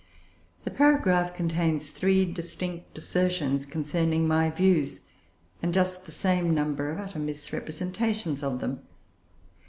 The paragraph contains three distinct assertions concerning my views, and just the same number of utter misrepresentations of them.